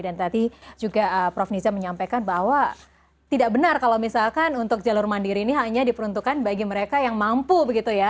dan tadi juga prof niza menyampaikan bahwa tidak benar kalau misalkan untuk jalur mandiri ini hanya diperuntukkan bagi mereka yang mampu begitu ya